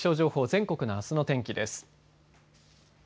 全国のあすの天気です。